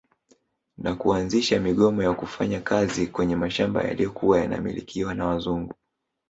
Na kuanzisha migomo ya kufanya kazi kwenye mashamba yaliyokuwa yanamilkiwa na wazungu